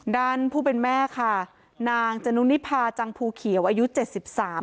ด้านผู้เป็นแม่ค่ะนางจนุนิพาจังภูเขียวอายุเจ็ดสิบสาม